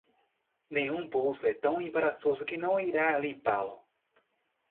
Nenhum bolso é tão embaraçoso que não irá limpá-lo.